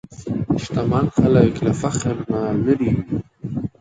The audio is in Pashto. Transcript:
شتمن خلک له فخر نه لېرې وي.